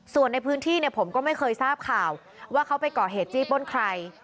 ส่วนในพื้นที่เนี่ยผมก็ไม่เคยทราบข่าวว่าเขาไปก่อเหตุจี้ป้นใคร